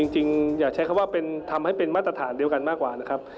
จริงอยากใช้คำว่าทำให้เป็นมาตรฐานเดียวกันมากกว่านะครับ